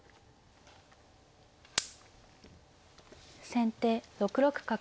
先手６六角。